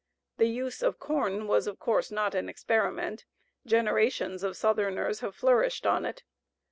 The use of corn was, of course, not an experiment generations of Southerners have flourished on it.